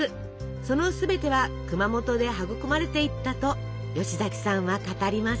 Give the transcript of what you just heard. その全ては熊本で育まれていったと吉崎さんは語ります。